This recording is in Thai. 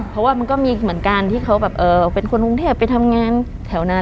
เพราะว่ามันก็มีเหมือนกันที่เขาแบบเป็นคนกรุงเทพไปทำงานแถวนั้น